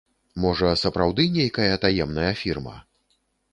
Можа сапраўды нейкая таемная фірма?